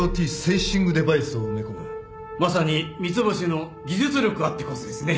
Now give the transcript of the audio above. まさに三ツ星の技術力あってこそですね。